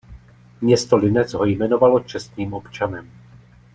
Město Linec ho jmenovalo čestným občanem.